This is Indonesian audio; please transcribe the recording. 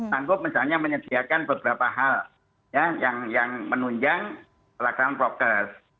sanggup misalnya menyediakan beberapa hal ya yang menunjang pelakuan progres